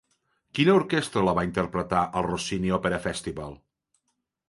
Quina Orquestra la va interpretar al Rossini Opera Festival?